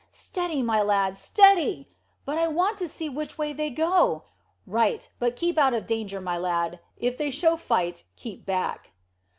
"Steady, my lad, steady!" "But I want to see which way they go." "Right, but keep out of danger, my lad. If they show fight, keep back."